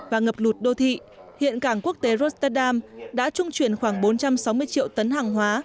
và ngập lụt đô thị hiện cảng quốc tế rosteddam đã trung chuyển khoảng bốn trăm sáu mươi triệu tấn hàng hóa